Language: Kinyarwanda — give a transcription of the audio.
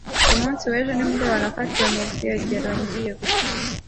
Ku munsi w'ejo nimugoroba, nafatiwe mu bwogero ngiye gutaha.